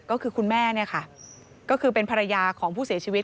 ก็คือคุณแม่เนี่ยค่ะก็คือเป็นภรรยาของผู้เสียชีวิต